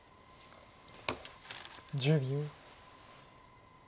１０秒。